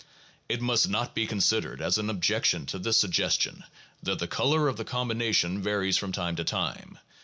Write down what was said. It must not be considered as an objection to this sug gestion that the color of the combination varies from time to time.